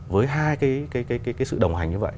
với hai cái cái cái cái cái sự đồng hành như vậy